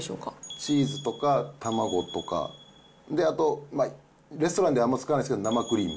チーズとか卵とか、あと、まあレストランではあんまり使わないですけれども、生クリーム。